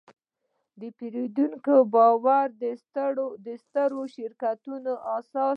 د پیرودونکي باور د سترو شرکتونو اساس دی.